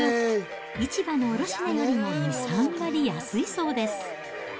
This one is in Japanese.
市場の卸値よりも２、３割安いそうです。